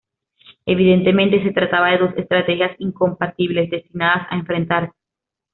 Evidentemente, se trataba de dos estrategias incompatibles, destinadas a enfrentarse.